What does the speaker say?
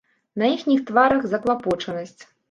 На іхніх тварах заклапочанасць.